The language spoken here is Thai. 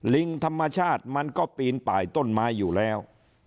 ลิงธรรมชาติมันก็ปีนป่ายต้นไม้อยู่แล้ว